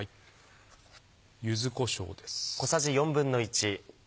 柚子こしょうです。